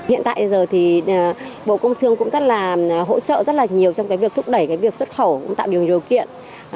hiện tại bộ công thương cũng hỗ trợ rất nhiều trong việc thúc đẩy việc xuất khẩu tạo điều kiện